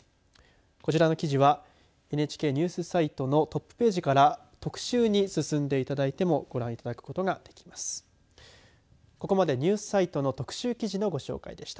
こちらの記事はＮＨＫのニュースサイトのトップページから特集に進んでいただいてもご覧いただけます。